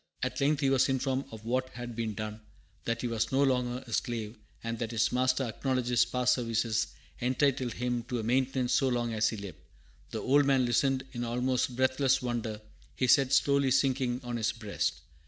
At length he was informed of what had been done; that he was no longer a slave, and that his master acknowledged his past services entitled him to a maintenance so long as he lived. The old man listened in almost breathless wonder, his head slowly sinking on his breast.